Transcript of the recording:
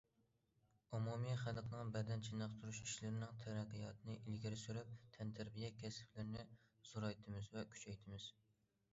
ئومۇمىي خەلقنىڭ بەدەن چېنىقتۇرۇش ئىشلىرىنىڭ تەرەققىياتىنى ئىلگىرى سۈرۈپ، تەنتەربىيە كەسىپلىرىنى زورايتىمىز ۋە كۈچەيتىمىز.